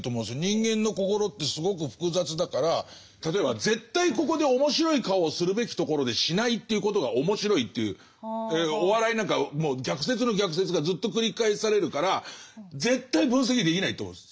人間の心ってすごく複雑だから例えば絶対ここで面白い顔をするべきところでしないということが面白いっていうお笑いなんかもう逆説の逆説がずっと繰り返されるから絶対分析できないと思うんです